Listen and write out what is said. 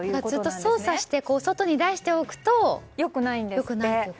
ずっと操作して外に出しておくとよくないということですね。